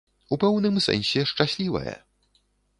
У пэўным сэнсе, шчаслівае.